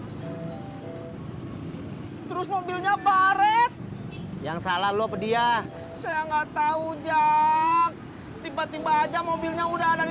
hai terus mobilnya baret yang salah lo pediah saya nggak tahu jak tiba tiba aja mobilnya udah ada di